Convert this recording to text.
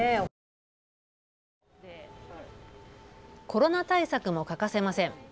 コロナ対策も欠かせません。